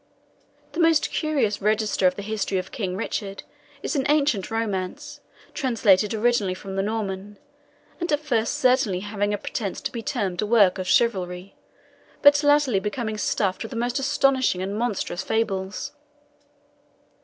The most curious register of the history of King Richard is an ancient romance, translated originally from the Norman; and at first certainly having a pretence to be termed a work of chivalry, but latterly becoming stuffed with the most astonishing and monstrous fables.